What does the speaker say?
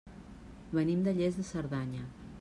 Venim de Lles de Cerdanya.